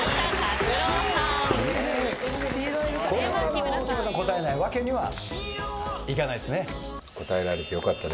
これは木村君答えないわけにはいかないですね。